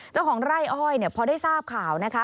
เจ้าของไร่อ้อยเนี่ยพอได้ทราบข่าวนะคะ